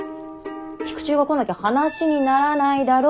菊千代が来なきゃ話にならないだろ？